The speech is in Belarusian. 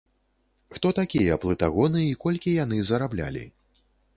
Хто такія плытагоны і колькі яны зараблялі?